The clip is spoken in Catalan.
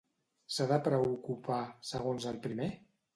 S'ha de preocupar, segons el primer?